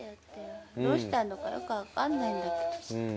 どうしたいのかよくわかんないんだけど。